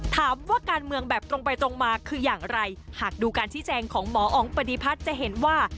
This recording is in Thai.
ถามว่าการเมืองแบบตรงไปตรงมาคืออย่างไรหากดูการชี้แจงของหมออ๋องปฏิพัฒน์จะเห็นว่า